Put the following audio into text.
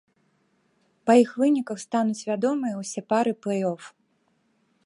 Па іх выніках стануць вядомыя ўсе пары плэй-оф.